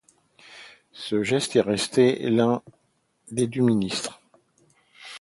Ce geste est resté l'un des du ministre.